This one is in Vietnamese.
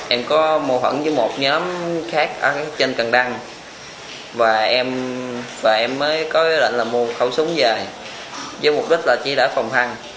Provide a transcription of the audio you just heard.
em có mô hận với một nhóm khác ở trên cần đăng và em mới có lệnh là mua khẩu súng về với mục đích là chỉ để phòng thăng